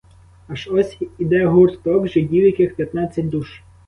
Аж ось іде гурток жидів, яких п'ятнадцять душ.